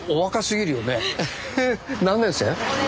何年生？